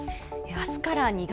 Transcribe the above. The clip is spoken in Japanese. あすから２月。